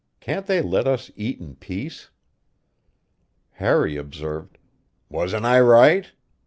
"Can't they let us eat in peace?" Harry observed: "Wasn't I right?